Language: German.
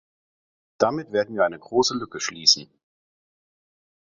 Damit werden wir eine große Lücke schließen.